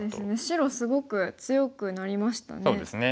白すごく強くなりましたね。